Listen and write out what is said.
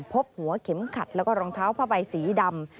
พบหัวเข็มขัดแล้วก็รองเท้าผ้าใบสีดำ